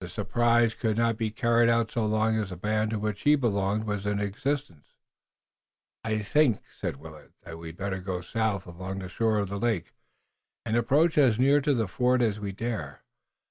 The surprise could not be carried out so long as the band to which he belonged was in existence. "I think," said Willet, "that we'd better go south along the shore of the lake, and approach as near to the fort as we dare.